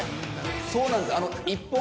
そうなんです。